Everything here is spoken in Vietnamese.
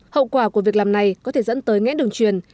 hậu quả của việc làm này có thể dẫn tới ngã đường truyền